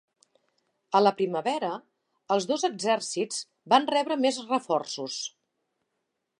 A la primavera, els dos exèrcits van rebre més reforços.